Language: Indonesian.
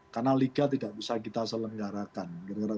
karena liga tidak bisa kita selenggarakan